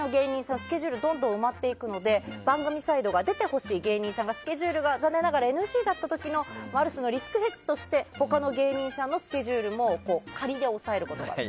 スケジュールどんどん埋まるので番組サイドが出てほしい芸人さんがスケジュールが残念ながらＮＧだった時のある種のリスクヘッジとして他の芸人さんのスケジュールも仮で押さえることがあると。